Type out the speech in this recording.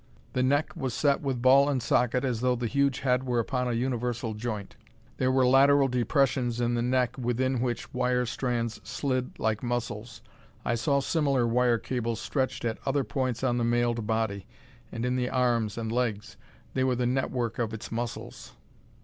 The neck was set with ball and socket as though the huge head were upon a universal joint. There were lateral depressions in the neck within which wire strands slid like muscles. I saw similar wire cables stretched at other points on the mailed body, and in the arms and legs. They were the network of its muscles!